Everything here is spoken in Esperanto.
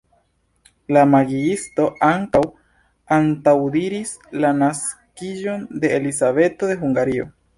La magiisto ankaŭ antaŭdiris la naskiĝon de Elizabeto de Hungario.